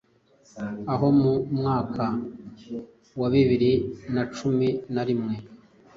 aho mu mwaka w bibiri na cumi na rimwe